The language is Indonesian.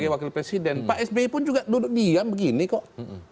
pak sby pun juga duduk diam begini kok